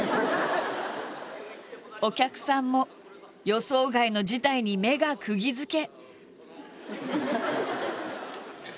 お客さんも予想外の事態に目がくぎづけ。